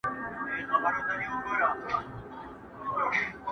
پر خپل جنون له دې اقرار سره مي نه لګیږي!.